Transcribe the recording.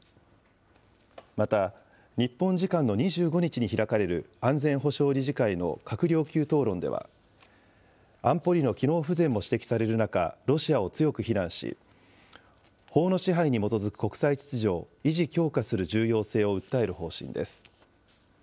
また、日本時間の２５日に開かれる安全保障理事会の閣僚級討論では、安保理の機能不全も指摘される中、ロシアを強く非難し、法の支配に基づく国際秩序を維持・強化する重要性を訴える方針です。